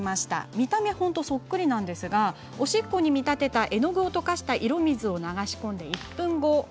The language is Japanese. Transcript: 見た目はそっくりなんですがおしっこに見立てた絵の具を溶かした色水を流し込んで１分。